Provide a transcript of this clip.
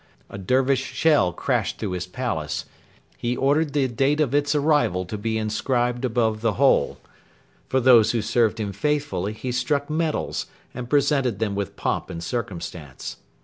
A Dervish shell crashed through his palace. He ordered the date of its arrival to be inscribed above the hole. For those who served him faithfully he struck medals and presented them with pomp and circumstance.